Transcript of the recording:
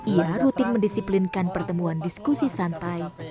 ia rutin mendisiplinkan pertemuan diskusi santai